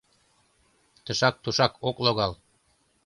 Тышак-тушак ок логал.